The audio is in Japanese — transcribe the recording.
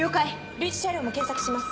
類似車両も検索します。